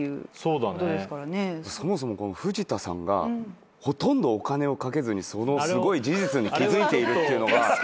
そもそも藤田さんがほとんどお金をかけずにその事実に気付いているというのが。